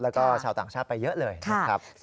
แล้วก็ชาวต่างชาติไปเยอะเลยนะครับ